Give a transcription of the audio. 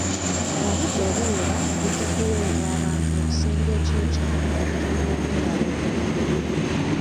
Obudde obuwera bujja kuweebwa abantu mu kisenge eky'ekyama okusobola okwewala okwetta.